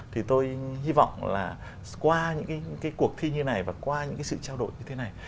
thì tôi hy vọng là qua những cái cuộc thi như này và qua những cái sự trao đổi như thế này